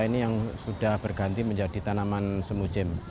ini yang sudah berganti menjadi tanaman semujim